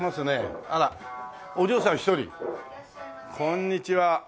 こんにちは。